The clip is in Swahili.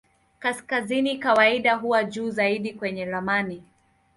Kaskazini kawaida huwa juu zaidi kwenye ramani.